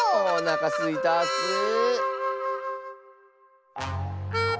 おなかすいたッス。